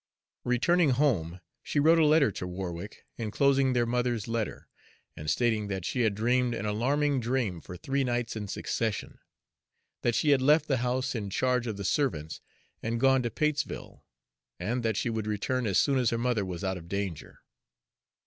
Returning home, she wrote a letter to Warwick inclosing their mother's letter, and stating that she had dreamed an alarming dream for three nights in succession; that she had left the house in charge of the servants and gone to Patesville; and that she would return as soon as her mother was out of danger.